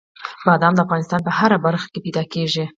بادام د افغانستان په هره برخه کې موندل کېږي.